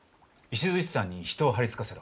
石山に人を張り付かせろ。